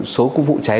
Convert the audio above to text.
số vụ cháy